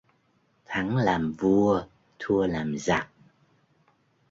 Thắng làm vua thua làm giặc